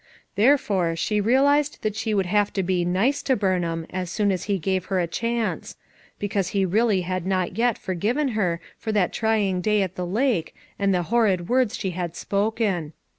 Therefore she realized that she would have to be "nice" to Bumham as soon as he gave her a chance; because he really had not yet for given her for that trying day at the lake and the horrid words she had spoken.